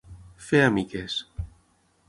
Fer a miques.